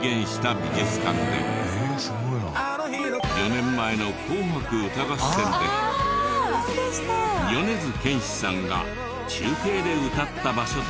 ４年前の『紅白歌合戦』で米津玄師さんが中継で歌った場所としても有名に。